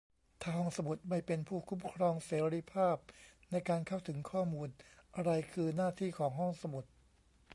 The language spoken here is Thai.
ถ้าห้องสมุดไม่เป็นผู้คุ้มครองเสรีภาพในการเข้าถึงข้อมูล อะไรคือหน้าที่ของห้องสมุด ?